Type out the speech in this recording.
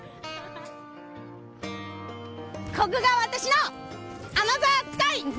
ここが私のアナザースカイ！